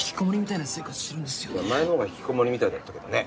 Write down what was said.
いや前のほうが引きこもりみたいだったけどね。